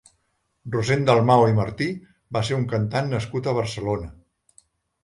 Rossend Dalmau i Martí va ser un cantant nascut a Barcelona.